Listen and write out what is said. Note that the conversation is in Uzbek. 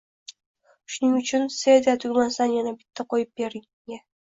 shuning uchun Seda tugmasidan yana bitta qo‘yib bering menga